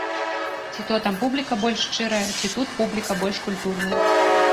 Ці то там публіка больш шчырая, ці тут публіка больш культурная.